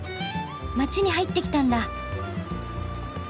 街に入ってきたんだ。